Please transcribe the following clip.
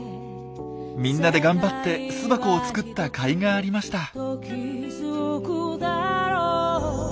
みんなで頑張って巣箱を作ったかいがありました。